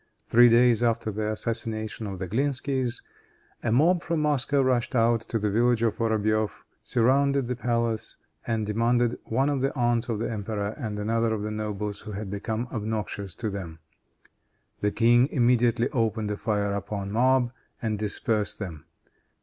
Three days after the assassination of the Glinskys, a mob from Moscow rushed out to the village of Vorobeif, surrounded the palace and demanded one of the aunts of the emperor and another of the nobles who had become obnoxious to them. The king immediately opened a fire upon mob and dispersed them.